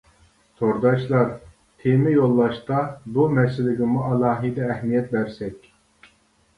تورداشلار تېما يوللاشتا بۇ مەسىلىگىمۇ ئالاھىدە ئەھمىيەت بەرسەك.